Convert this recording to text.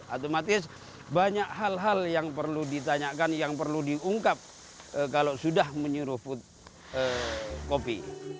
otomatis banyak hal hal yang perlu ditanyakan yang perlu diungkap kalau sudah menyeruput kopi